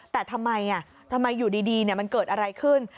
แต่ทำไมทำไมอยู่ดีมันเกิดอะไรขึ้น